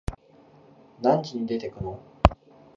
何時に出てくの？